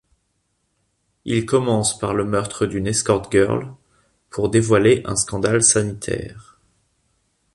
Il commence par le meurtre d'une escort-girl pour dévoiler un scandale sanitaire.